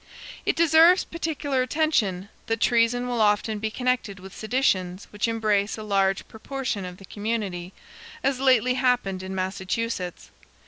It deserves particular attention, that treason will often be connected with seditions which embrace a large proportion of the community; as lately happened in Massachusetts.